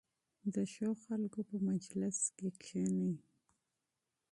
د ښو خلکو په مجلس کې کښېنئ.